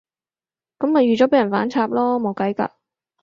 噉咪預咗畀人反插囉，冇計㗎